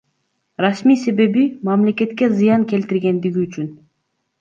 Расмий себеби — мамлекетке зыян келтиргендиги үчүн.